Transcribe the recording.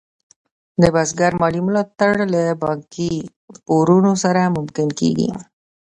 د بزګر مالي ملاتړ له بانکي پورونو سره ممکن کېږي.